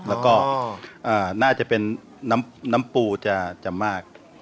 แล้วก็น่าจะเป็นน้ำปูจะมาก